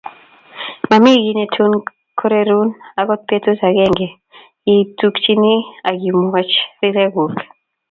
Momii kiy netun korerun akot betut agenge ye ikutungchi akimwochi rirek kuk